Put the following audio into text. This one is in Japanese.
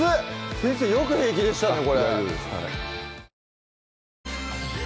先生よく平気でしたね